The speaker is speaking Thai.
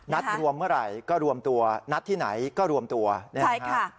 นัดรวมเมื่อไหร่ก็รวมตัวนัดที่ไหนก็รวมตัวใช่ค่ะ